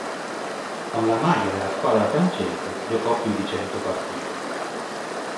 Con la maglia della squadra francese giocò più di cento partite.